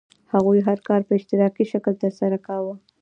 هغوی هر کار په اشتراکي شکل ترسره کاوه.